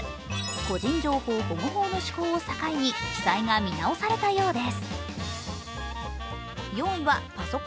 個人情報保護法の施行を境に記載が記載が見直されたようです。